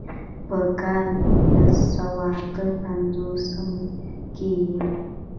پۀ کال نولس سوه اتۀ پنځوستم کښې ئې